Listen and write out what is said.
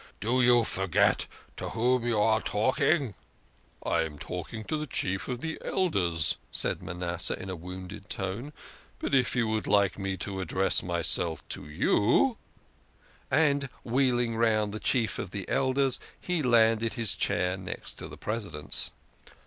"Do you forget to whom you are talking?" " I am talking to the Chief of the Elders," said Manasseh in a wounded tone, " but if you would like me to address myself to you " and wheeling round the Chief of the Elders, he landed his chair next to the President's.